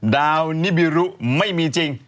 ดาวนิบิรุไม่มีจริง